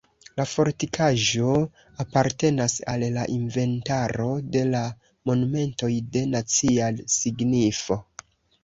La fortikaĵo apartenas al la inventaro de la monumentoj de nacia signifo.